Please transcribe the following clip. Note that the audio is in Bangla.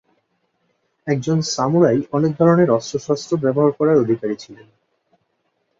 একজন সামুরাই অনেক ধরনের অস্ত্রশস্ত্র ব্যবহার করার অধিকারী ছিলেন।